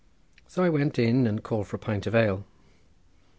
So I went in and called for a pint of ale.